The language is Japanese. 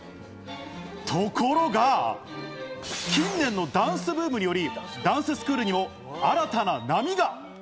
ところが、近年のダンスブームにより、ダンススクールにも新たな波が。